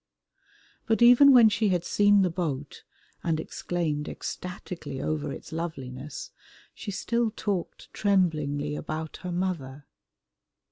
But even when she had seen the boat and exclaimed ecstatically over its loveliness, she still talked tremblingly about her mother.